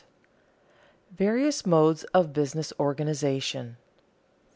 [Sidenote: Various modes of business organization] 3.